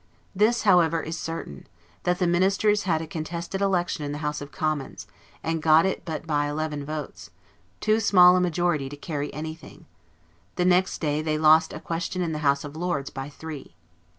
This, however, is certain, that the Ministers had a contested election in the House of Commons, and got it but by eleven votes; too small a majority to carry anything; the next day they lost a question in the House of Lords, by three.